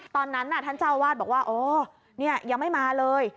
ตอนนั้นน่ะท่านเจ้าวาดบอกว่าโอ้เนี่ยยังไม่มาเลย